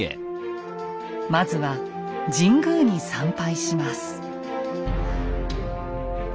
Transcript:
まずは神宮に参拝します。